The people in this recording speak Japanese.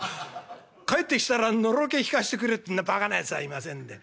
帰ってきたらのろけ聞かしてくれ」ってそんなバカなやつはいませんで。